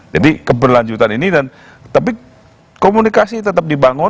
jadi keberlanjutan ini dan tapi komunikasi tetap dibangun